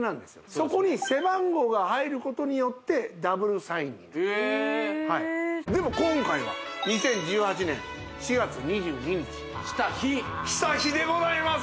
そこに背番号が入ることによってダブルサインになるへえでも今回は２０１８年４月２２日した日した日でございます